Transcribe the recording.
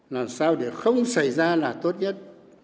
làm sao để không xảy ra là tốt nhất